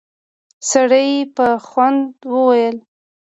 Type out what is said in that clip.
سړي په خوند وويل: